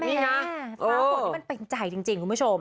สาวโหดที่มันเป็นใจจริงคุณผู้ชม